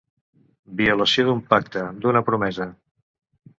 Violació d'un pacte, d'una promesa.